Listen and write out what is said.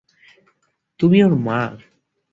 তুমি ওর মা।